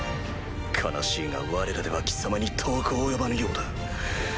悲しいがわれらでは貴様に遠く及ばぬようだ。